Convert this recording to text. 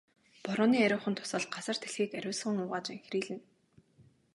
Борооны ариухан дусал газар дэлхийг ариусган угааж энхрийлнэ.